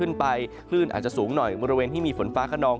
ไปคลื่นอาจจะสูงหน่อยบริเวณที่มีฝนฟ้าขนอง